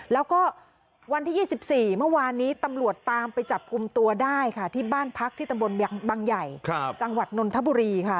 แล้วก็วันที่๒๔เมื่อวานนี้ตำรวจตามไปจับกลุ่มตัวได้ค่ะที่บ้านพักที่ตำบลบังใหญ่จังหวัดนนทบุรีค่ะ